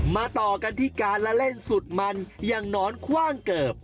ต่อกันที่การละเล่นสุดมันอย่างหนอนคว่างเกิบ